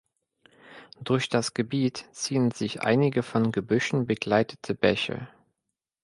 Durch das Gebiet ziehen sich einige von Gebüschen begleitete Bäche.